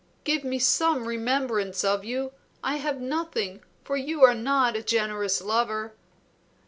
"Give me some remembrance of you. I have nothing, for you are not a generous lover."